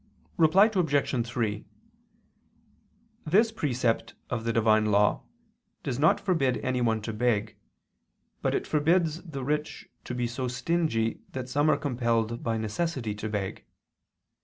Reply Obj. 3: This precept of the divine law does not forbid anyone to beg, but it forbids the rich to be so stingy that some are compelled by necessity to beg.